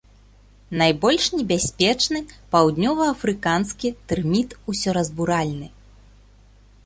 Найбольш небяспечны паўднёваафрыканскі тэрміт усёразбуральны.